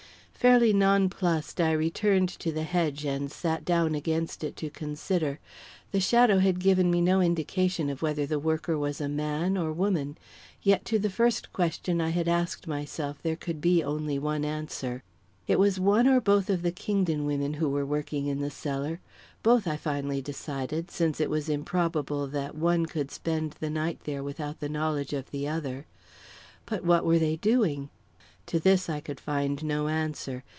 Fairly nonplussed, I returned to the hedge and sat down against it to consider. The shadow had given me no indication of whether the worker was man or woman; yet to the first question I had asked myself there could be only one answer. It was one or both of the Kingdon women who were working in the cellar both, I finally decided, since it was improbable that one could spend the night there without the knowledge of the other. But what were they doing? To this I could find no answer.